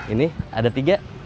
ini ada tiga